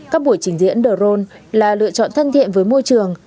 các buổi trình diễn đồ rôn là lựa chọn thân thiện với môi trường